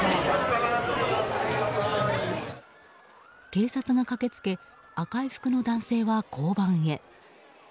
警察が駆けつけ赤い服の男性は交番へ。